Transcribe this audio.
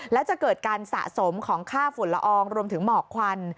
และจะเกิดการสะสมของค่าฝุ่นละอองรวมถึงหมอกควัน